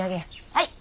はい。